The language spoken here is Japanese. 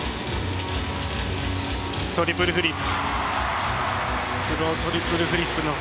トリプルフリップ。